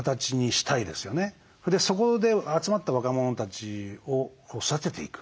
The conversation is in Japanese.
そこで集まった若者たちを育てていく。